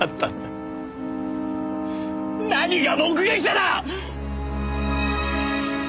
何が目撃者だ！